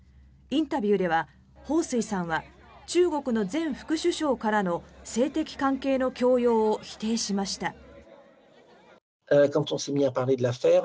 インタビューではホウ・スイさんは中国の前副首相からの性的関係の強要を否定しました。